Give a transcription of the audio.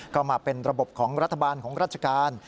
ก็มาเป็นระบบของรัฐบาลของราชการ